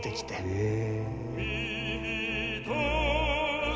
へえ。